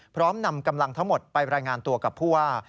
นำกำลังทั้งหมดไปรายงานตัวกับผู้ว่า